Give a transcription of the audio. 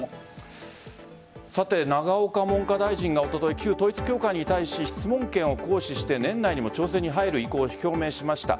永岡文科大臣が、おととい旧統一教会に対し質問権を行使して年内にも調整に入る意向を表明しました。